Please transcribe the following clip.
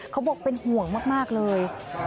เขาบอกเป็นห่วงมากเลย